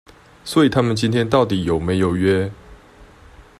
所以他們今天到底有沒有約